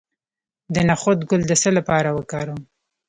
د نخود ګل د څه لپاره وکاروم؟